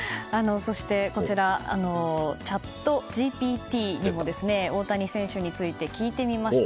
そして、こちらチャットＧＰＴにも大谷選手について聞いてみました。